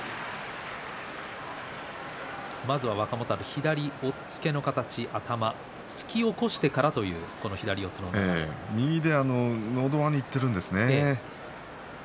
若元春、左押っつけの形頭を突き起こしてから右で、のど輪にいっているんですよね。